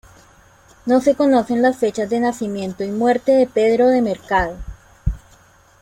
No se conocen las fechas de nacimiento y muerte de Pedro de Mercado.